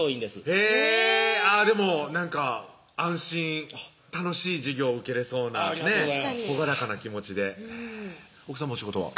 へぇでもなんか安心楽しい授業を受けれそうな確かに朗らかな気持ちで奥さまお仕事は？